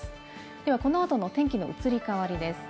ではこの後の天気の移り変わりです。